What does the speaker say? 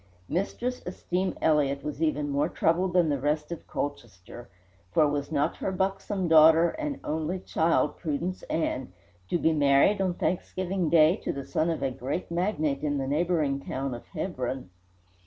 Mistress Esteem Elliott was even more troubled than the rest of Colchester, for was not her buxom daughter, and only child, Prudence Ann, to be married on Thanksgiving Day to the son of a great magnate in the neighbouring town of Hebron?